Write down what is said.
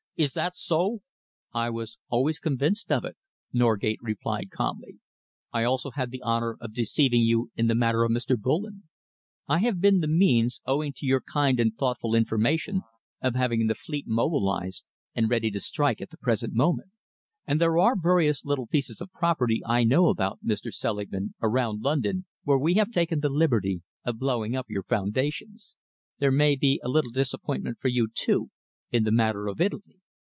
Is that so?" "I was always convinced of it," Norgate replied calmly. "I also had the honour of deceiving you in the matter of Mr. Bullen. I have been the means, owing to your kind and thoughtful information, of having the fleet mobilised and ready to strike at the present moment, and there are various little pieces of property I know about, Mr. Selingman, around London, where we have taken the liberty of blowing up your foundations. There may be a little disappointment for you, too, in the matter of Italy.